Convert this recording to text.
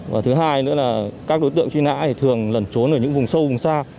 và thứ hai nữa là các đối tượng truy nã thường lẩn trốn ở những vùng sâu vùng xa